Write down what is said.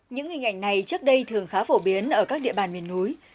những hình ảnh này trước đây thường khá phổ biến ở các địa bàn miền núi